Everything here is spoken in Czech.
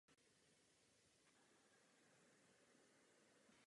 Jen pár zůstalo při vědomí na stráži.